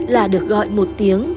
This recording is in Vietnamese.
là được gọi một tiếng